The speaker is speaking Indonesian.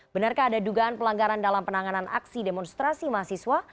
benarkah ada dugaan pelanggaran dalam penanganan aksi demonstrasi mahasiswa